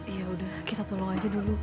iya udah kita tolong aja dulu